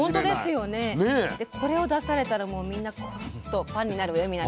でこれを出されたらもうみんなコロッとファンになるわよ